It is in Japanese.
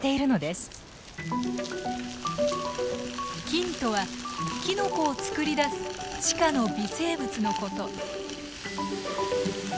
菌とはキノコを作り出す地下の微生物のこと。